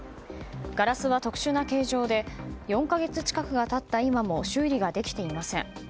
ガラスは特殊な形状で４か月近くが経った今も修理ができていません。